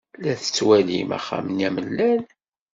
La tettwalim axxam-nni amellal?